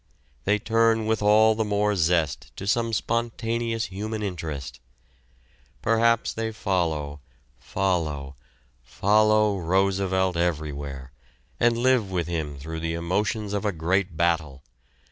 They turn with all the more zest to some spontaneous human interest. Perhaps they follow, follow, follow Roosevelt everywhere, and live with him through the emotions of a great battle.